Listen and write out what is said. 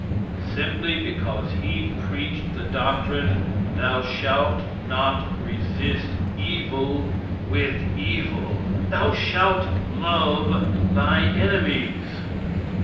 Simply because he preached the doctrine: "Thou shalt not resist evil with evil. Thou shalt love thy enemies."